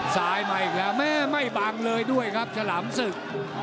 ซ้ายมาอีกแล้วแม่ไม่บังเลยด้วยครับฉลามศึก